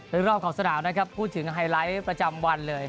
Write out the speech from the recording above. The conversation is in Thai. รอบของสนามนะครับพูดถึงไฮไลท์ประจำวันเลย